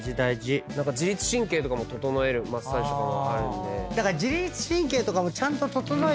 自律神経とかも整えるマッサージとかもあるんで。